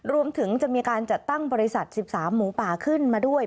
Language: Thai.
รวมถึงจะมีการจัดตั้งบริษัท๑๓หมูป่าขึ้นมาด้วย